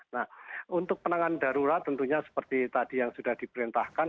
nah untuk penanganan darurat tentunya seperti tadi yang sudah diperintahkan